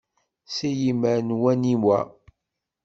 S yimmer n waniwa?